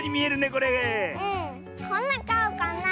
こんなかおかな。